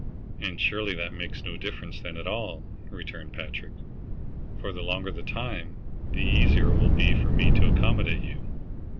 "And surely that makes no difference, then, at all," returned Patrick. "For the longer the time, the easier it will be for me to accommodate you."